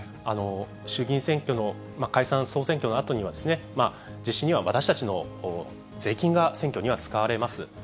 衆議院選挙の解散・総選挙のあとには、実施には私たちの税金が選挙には使われます。